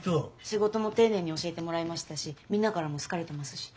仕事も丁寧に教えてもらいましたしみんなからも好かれてますし。